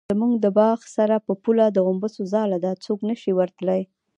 زموږ د باغ سره په پوله د غومبسو ځاله ده څوک نشي ورتلی.